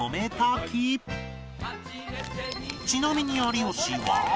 ちなみに有吉は